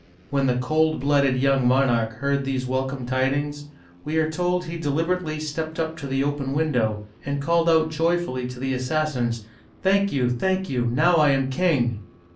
" When the cold blooded young monarch heard these wel come tidings, we are told he deliberately stepped up to the Digitized by Google LOUIS XIII. (1610 1643) 303 open window, and called out joyfully to the assassins, "Thank you, thank you, now I am king!"